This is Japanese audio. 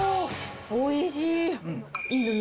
おいしい。